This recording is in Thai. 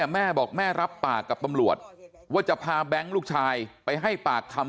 แม่บอกแม่รับปากกับตำรวจว่าจะพาแบงค์ลูกชายไปให้ปากคำ